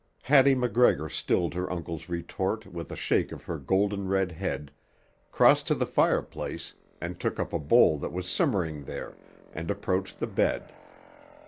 Hattie MacGregor stilled her uncle's retort with a shake of her golden red head, crossed to the fireplace and took up a bowl that was simmering there, and approached the bed.